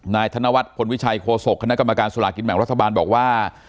ธนวัฒนพลวิชัยโฆษกคณะกรรมการสลากินแบ่งรัฐบาลบอกว่า